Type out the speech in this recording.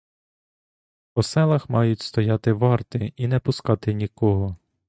По селах мають стояти варти і не пускати нікого.